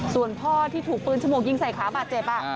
ส่วนพ่อที่ถูกปืนฉมวกยิงใส่ขาบาดเจ็บ